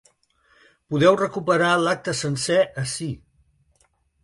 Podeu recuperar l’acte sencer ací.